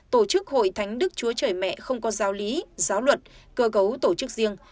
tổ chức hội thánh đức chúa trời mẹ không có giáo lý giáo luận cơ cấu tổ chức riêng